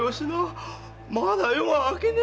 まだ夜は明けねえよ。